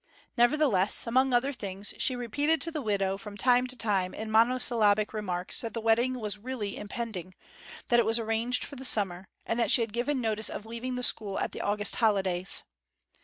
Nevertheless, among other things, she repeated to the widow from time to time in monosyllabic remarks that the wedding was really impending; that it was arranged for the summer, and that she had given notice of leaving the school at the August holidays.